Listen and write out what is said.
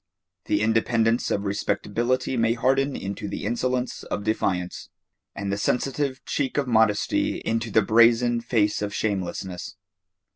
The independence of respectability may harden into the insolence of defiance, and the sensitive cheek of modesty into the brazen face of shamelessness.